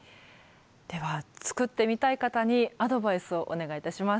では作ってみたい方にアドバイスをお願いいたします。